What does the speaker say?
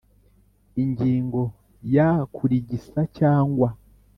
Ingingo ya kurigisa cyangwa